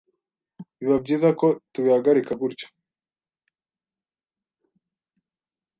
biba byiza ko tubihagarika gutyo